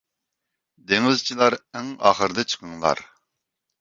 دېڭىزچىلار ئەڭ ئاخىرىدا چىقىڭلار.